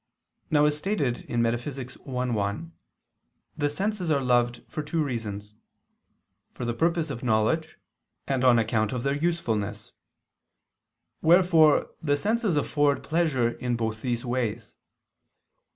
Now, as stated in Metaph. i, 1, the senses are loved for two reasons: for the purpose of knowledge, and on account of their usefulness. Wherefore the senses afford pleasure in both these ways.